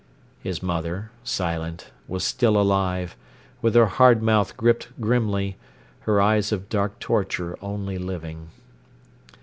His mother, silent, was still alive, with her hard mouth gripped grimly, her eyes of dark torture only living.